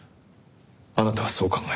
あなたはそう考えた。